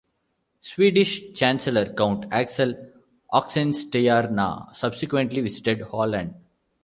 Swedish chancellor Count Axel Oxenstierna subsequently visited Holland.